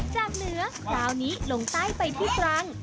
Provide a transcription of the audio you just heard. จากเหนือคราวนี้ลงใต้ไปที่ตรัง